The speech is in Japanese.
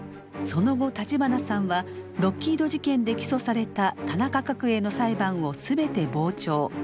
その後立花さんはロッキード事件で起訴された田中角栄の裁判を全て傍聴。